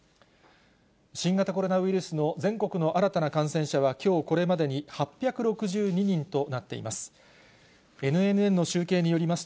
新型コロナウイルスの全国の新たな感染者は、きょうこれまでに８６２人となっています。